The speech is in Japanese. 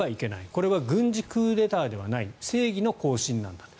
これは軍事クーデターではない正義の行進なんだと。